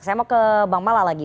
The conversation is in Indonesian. saya mau ke bang mala lagi